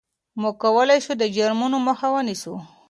موږ کولای شو د جرمونو مخه ونیسو.